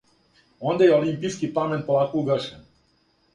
Онда је олимпијски пламен полако угашен.